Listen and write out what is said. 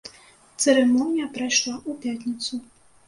Цырымонія прайшла ў пятніцу.